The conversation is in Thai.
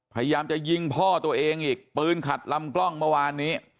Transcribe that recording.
พยายามจะยิงพ่อตัวเองอีกปืนขัดลำกล้องเมื่อวานนี้